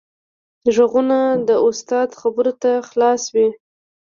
غوږونه د استاد خبرو ته خلاص وي